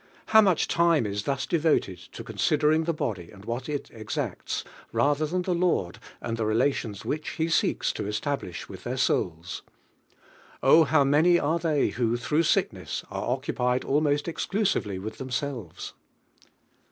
How niinli lime is thus devoted to considering the hody and what it ex tI*E SI EALING. 71 ricfs. rather than (he Lord, and the rela lions which He seeks to establish with their souls! O how many are they who. through sickness, are occupied almost ex clusively with themselves!